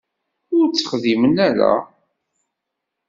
Ur t-texdimen ara.